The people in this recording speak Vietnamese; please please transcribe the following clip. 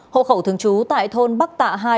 hộ khẩu thường trú tại thôn bắc tạ hai